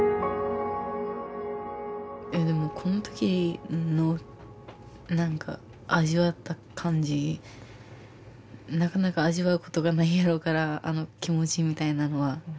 えでもこのときのなんか味わった感じなかなか味わうことがないやろうからあの気持ちみたいなのは。